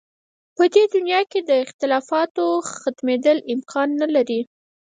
په دې دنیا کې د اختلافاتو ختمېدل امکان نه لري.